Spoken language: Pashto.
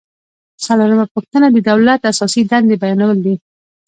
څلورمه پوښتنه د دولت اساسي دندې بیانول دي.